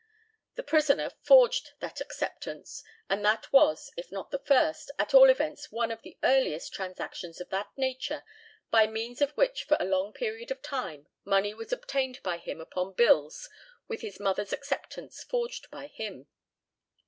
The prisoner forged that acceptance, and that was, if not the first, at all events one of the earliest transactions of that nature by means of which for a long period of time money was obtained by him upon bills, with his mother's acceptance forged by him.